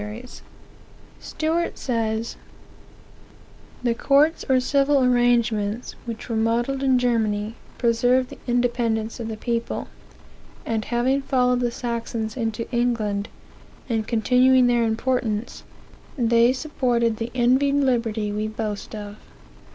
Stuart says: "The courts, or civil arrangements, which were modelled in Germany, preserved the independence of the people; aud having followed the Saxons into England, and continuing their importance, they supported the envied liberty we boast of.